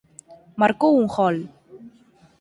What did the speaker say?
Marcou un gol.